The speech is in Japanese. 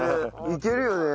いけるよね。